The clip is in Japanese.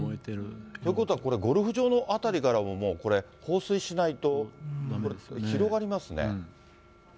ということはこれ、ゴルフ場の辺りからももうこれ、放水しないと広がりますね。